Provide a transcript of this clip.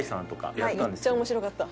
めっちゃ面白かった。